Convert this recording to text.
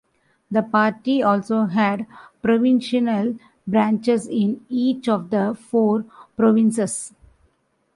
The party also had provincial branches in each of the four provinces.